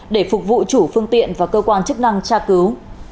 để phục vụ chủ phương tiện và cơ quan chức năng tra cứu